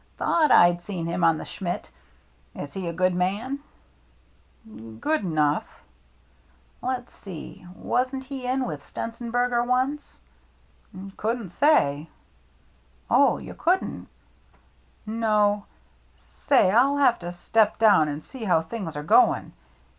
"Thought I'd seen him on the Schmidt. Is he a good man ?"" Good enough. 102 THE MERRT ANNE " Let's see, wasn't he in with Stenzenberger once?" " Couldn't say." " Oh, you couldn't ?"" No. Say, I'll have to step down and sec how things are going.